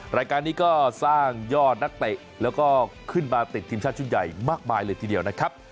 รายการนี้ก็สร้างยอดนักเตะแล้วก็ขึ้นมาติดทีมชาติชุดใหญ่มากมายเลยทีเดียวนะครับ